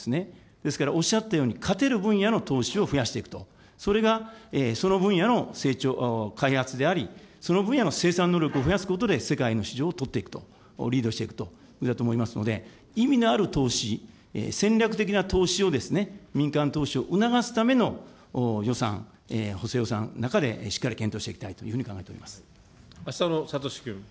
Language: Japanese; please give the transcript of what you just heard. ですからおっしゃったように勝てる分野の投資を増やしていくと、それがその分野の成長、開発であり、その分野の生産能力を増やすことで、世界の市場を取っていくと、リードしていくということだと思いますので、意味のある投資、戦略的な投資をですね、民間投資を促すための予算、補正予算の中でしっかり検討していきたいというふうに考えており浅野哲君。